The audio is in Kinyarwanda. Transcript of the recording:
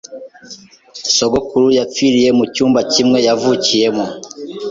Sogokuru yapfiriye mu cyumba kimwe yavukiyemo.